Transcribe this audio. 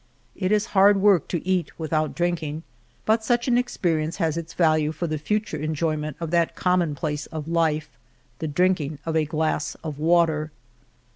It is hard work to eat without drinking, but such an experience has its value for the future enjoyment of that commonplace of life — the drinking of a glass of water.